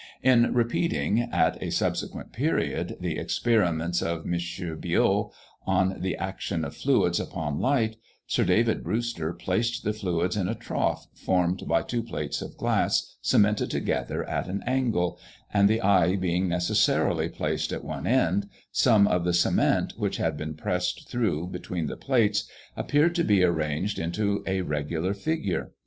In repeating, at a subsequent period, the experiments of M. Biot on the action of fluids upon light, Sir David Brewster placed the fluids in a trough, formed by two plates of glass, cemented together at an angle; and the eye being necessarily placed at one end, some of the cement, which had been pressed through between the plates, appeared to be arranged into a regular figure.